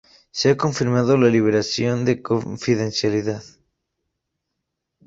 Se ha confirmado la liberación de confidencialidad.